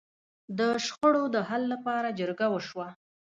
د شخړو د حل لپاره جرګه وشوه.